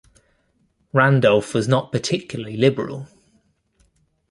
Randolph was not particularly liberal.